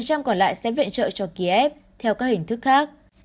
ba mươi còn lại sẽ viện trợ cho kiev theo các hình thức khác